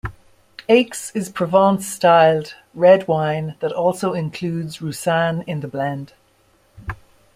Aix is Provence-styled red wine that also includes Roussanne in the blend.